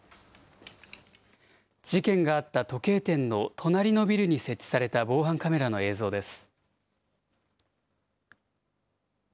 事件があった時計店の隣のビルに設置された防犯カメラの映像です。